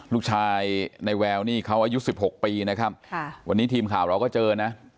ลูกชายในแววนี่เขาอายุสิบหกปีนะครับค่ะวันนี้ทีมข่าวเราก็เจอนะ